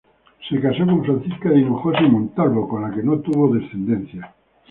Se casó con Francisca de Hinojosa y Montalvo, con la que no tuvo descendencia.